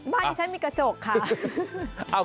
บ้านนี้ฉันมีกระจกค่ะ